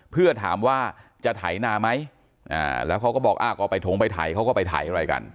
เพื่อถามว่าจะไถนาไหมแล้วเขาก็บอกอ้าวก็ไปถงไปไถเขาก็ไปไถอะไรกัน